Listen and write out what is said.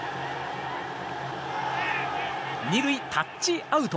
２塁、タッチアウト。